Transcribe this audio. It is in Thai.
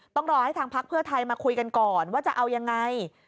ต้องรอให้ทางพักเพื่อไทยมาคุยกันก่อนว่าจะเอายังไง